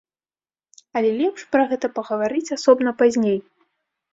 Але лепш пра гэта пагаварыць асобна пазней.